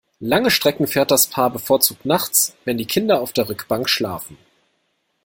Lange Strecken fährt das Paar bevorzugt nachts, wenn die Kinder auf der Rückbank schlafen.